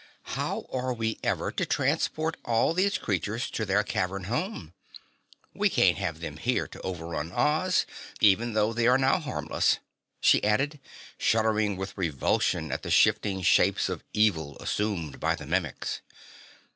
"How are we ever to transport all these creatures to their cavern home? We can't have them here to overrun Oz, even though they are now harmless," she added, shuddering with revulsion at the shifting shapes of evil assumed by the Mimics.